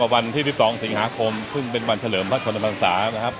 กว่าวันที่๒๒สิงหาคมซึ่งเป็นวันเฉลิมพัฒนธรรมศาสตร์